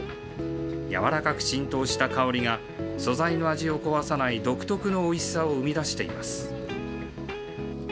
やわらかく浸透した香りが、素材の味を壊さない独特のおいしさを生み出しています。